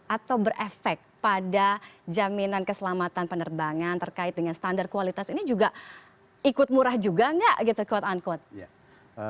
atau berefek pada jaminan keselamatan penerbangan terkait dengan standar kualitas ini juga ikut murah juga nggak gitu quote unquote